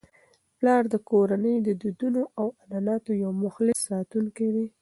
پلار د کورنی د دودونو او عنعناتو یو مخلص ساتونکی دی.